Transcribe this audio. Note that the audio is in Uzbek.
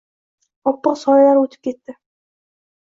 Oppoq soyalar o‘tib ketdi.